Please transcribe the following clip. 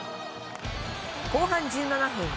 後半１７分